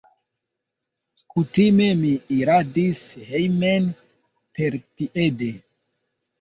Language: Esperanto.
Kutime mi iradis hejmen perpiede.